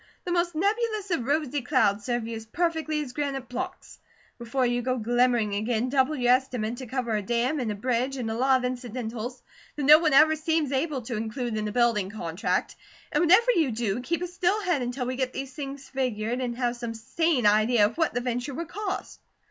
The most nebulous of rosy clouds serve you as perfectly as granite blocks. Before you go glimmering again, double your estimate to cover a dam and a bridge, and a lot of incidentals that no one ever seems able to include in a building contract. And whatever you do, keep a still head until we get these things figured, and have some sane idea of what the venture would cost."